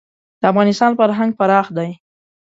د افغانستان فرهنګ پراخ دی.